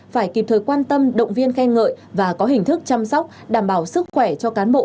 phải kịp thời quan tâm động viên khen ngợi và có hình thức chăm sóc đảm bảo sức khỏe cho cán bộ